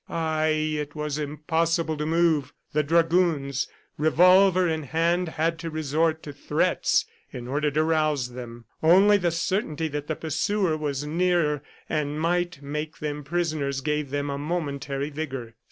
Ay, it was impossible to move! The dragoons, revolver in hand, had to resort to threats in order to rouse them! Only the certainty that the pursuer was near and might make them prisoners gave them a momentary vigor.